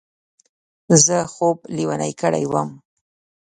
زه خوب لېونی کړی وم.